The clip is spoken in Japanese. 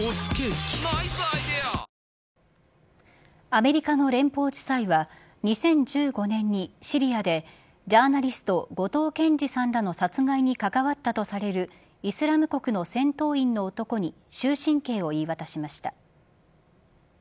アメリカの連邦地裁は２０１５年にシリアでジャーナリスト後藤健二さんらの殺害に関わったとされるイスラム国の戦闘員の男に終身刑を言い渡しました。